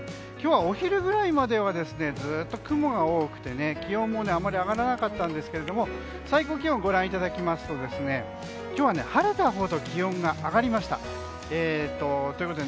今日はお昼ぐらいまではずっと雲が多くて気温もあまり上がらなかったんですが最高気温、ご覧いただきますと今日は晴れたほど気温が上がりました。